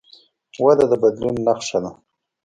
وده د بدلون نښه ده.